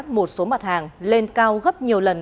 một số mặt hàng lên cao gấp nhiều lần